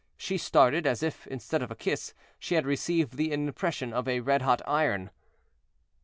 She started as if, instead of a kiss, she had received the impression of a red hot iron.